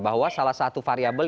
bahwa salah satu variabel